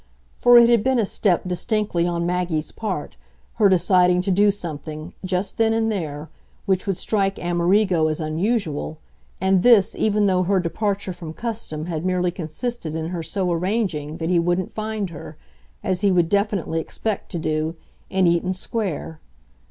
For it had been a step, distinctly, on Maggie's part, her deciding to do something, just then and there, which would strike Amerigo as unusual, and this even though her departure from custom had merely consisted in her so arranging that he wouldn't find her, as he would definitely expect to do, in Eaton Square.